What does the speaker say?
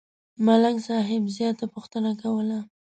منګل صاحب زیاته پوښتنه کوله.